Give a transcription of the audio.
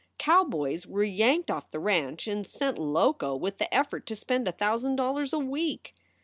Cowboys were yanked off the ranch and sent loco with the effort to spend a thousand dollars a week.